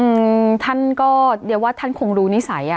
อืมท่านก็เรียกว่าท่านคงรู้นิสัยอ่ะ